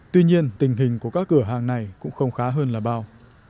tuy nhiên tình hình của các cửa hàng này cũng không khá hơn là bao